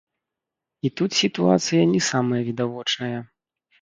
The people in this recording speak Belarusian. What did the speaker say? І тут сітуацыя не самая відавочная.